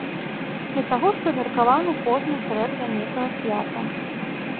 Да таго ж прымеркаваны кожны трэк да нейкага свята.